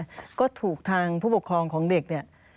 ไปเรียกนะฮะก็ถูกทางผู้ปกครองของเด็กเนี่ย